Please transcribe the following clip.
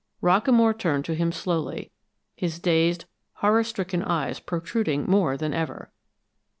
Rockamore turned to him slowly, his dazed, horror stricken eyes protruding more than ever.